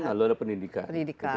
lalu ada pendidikan